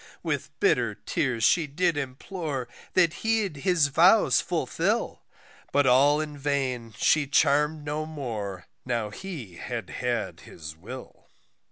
With bitter tears she did implore that he'd his vows fulfil; But all in vain she charm'd no more now he had had his will.